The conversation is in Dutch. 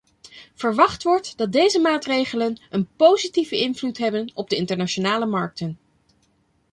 Verwacht wordt dat deze maatregelen een positieve invloed hebben op de internationale markten.